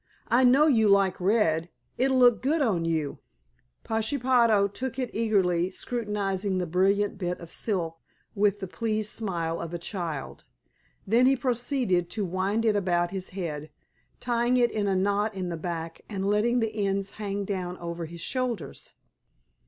I know you like red. It'll look good on you." Pashepaho took it eagerly, scrutinizing the brilliant bit of silk with the pleased smile of a child. Then he proceeded to wind it about his head, tying it in a knot in the back and letting the ends hang down over his shoulders.